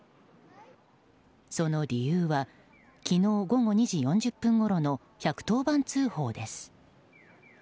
その理由は昨日午後２時４０分ごろの１１０番通報です。